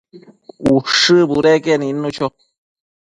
Ushë budeque nidnu cho